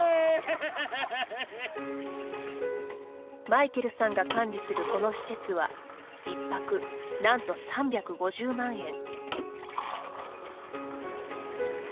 マイケルさんが管理するこの施設は１泊、なんと３５０万円。